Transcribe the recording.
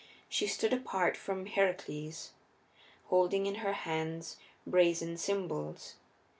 She stood apart from Heracles, holding in her hands brazen cymbals.